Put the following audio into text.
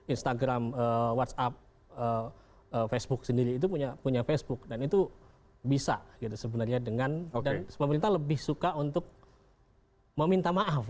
instagram whatsapp facebook sendiri itu punya facebook dan itu bisa gitu sebenarnya dengan dan pemerintah lebih suka untuk meminta maaf